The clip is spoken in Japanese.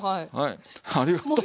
ありがとう。